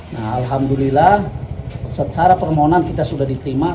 nah alhamdulillah secara permohonan kita sudah diterima